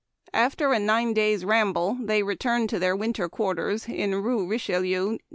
After a nine days' ramble they returned to their winter quarters in Rue Richelieu, No.